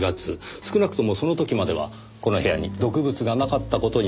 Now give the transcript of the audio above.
少なくともその時まではこの部屋に毒物がなかった事になります。